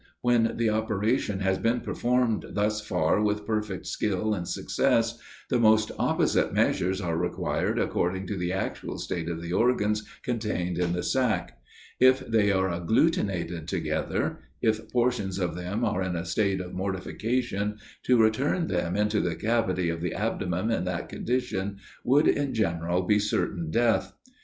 When the operation has been performed thus far with perfect skill and success, the most opposite measures are required according to the actual state of the organs contained in the sac. If they are agglutinated together if portions of them are in a state of mortification, to return them into the cavity of the abdomen in that condition, would, in general, be certain death.